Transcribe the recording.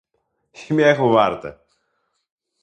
Śmiechu warte!